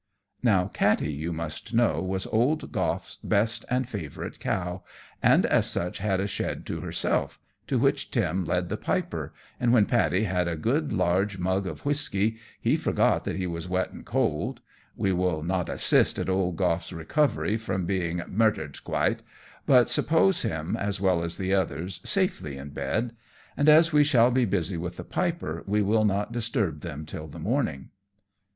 Now Katty, you must know, was old Goff's best and favourite cow, and as such had a shed to herself, to which Tim led the Piper; and when Paddy had a good large mug of whisky, he forgot that he was wet and cold. We will not assist at old Goff's recovery from being "murthered quite," but suppose him, as well as the others, safely in bed; and as we shall be busy with the Piper we will not disturb them till the morning.